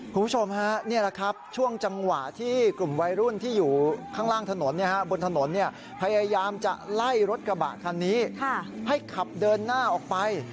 คุณผู้ชมฮะนี่แหละครับช่วงจังหวะที่กลุ่มวัยรุ่นที่อยู่ข้างล่างถนนบนถนนพยายามจะไล่รถกระบะคันนี้ให้ขับเดินหน้าออกไป